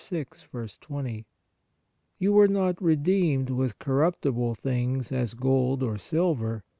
20) ;" You were not redeemed with cor ruptible things as gold or silver